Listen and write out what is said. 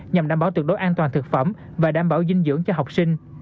nhằm đảm bảo tuyệt đối an toàn thực phẩm và đảm bảo dinh dưỡng cho học sinh